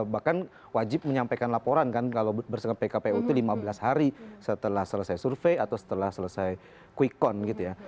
bahkan wajib menyampaikan laporan kan kalau bersama pkpu itu lima belas hari setelah selesai survei atau setelah selesai quick count gitu ya